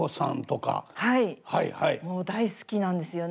はいもう大好きなんですよね。